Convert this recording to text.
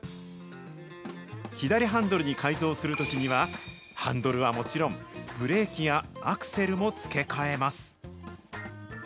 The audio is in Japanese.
左ハンドルに改造するときには、ハンドルはもちろん、ブレーキやアクセルも付け替えます。